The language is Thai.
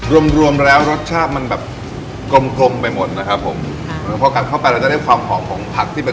รวมรวมแล้วรสชาติมันแบบกลมกลมไปหมดนะครับผมค่ะพอกัดเข้าไปเราจะได้ความหอมของผักที่เป็น